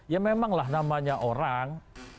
ya memanglah namanya orang